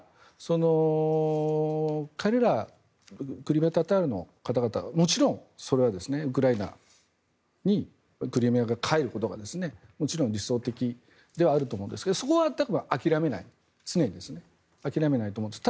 彼らクリミア・タタールの方々はもちろん、それはウクライナにクリミアが返ることがもちろん理想的ではあると思うんですがそこは諦めない常に諦めないと思います。